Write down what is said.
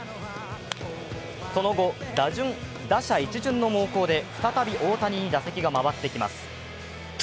その後、打者一巡の猛攻で再び大谷に打席が回ってきます。